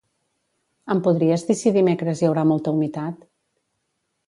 Em podries dir si dimecres hi haurà molta humitat?